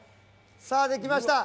さあ出来ました。